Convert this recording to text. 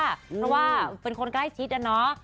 เพราะว่าเป็นคนใกล้ชิดอะเนาะ